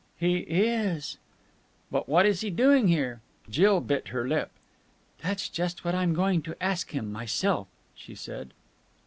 "He is!" "But what is he doing here?" Jill bit her lip. "That's just what I'm going to ask him myself," she said.